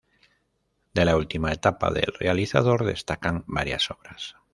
De la última etapa del realizador, destacan varias obras.